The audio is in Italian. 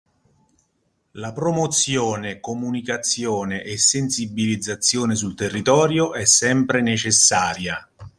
La promozione, comunicazione e sensibilizzazione sul territorio è sempre necessaria